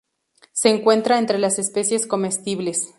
Se encuentra entre las especies comestibles.